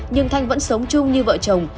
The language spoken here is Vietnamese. nhưng thành vẫn sống chung như vợ chồng